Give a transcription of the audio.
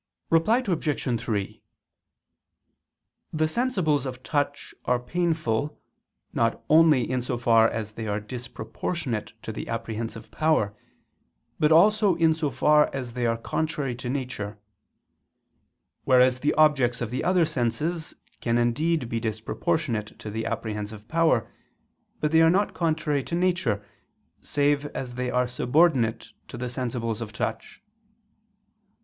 Reply Obj. 3: The sensibles of touch are painful, not only in so far as they are disproportionate to the apprehensive power, but also in so far as they are contrary to nature: whereas the objects of the other senses can indeed be disproportionate to the apprehensive power, but they are not contrary to nature, save as they are subordinate to the sensibles of touch.